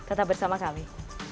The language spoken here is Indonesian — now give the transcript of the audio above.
tetap bersama kami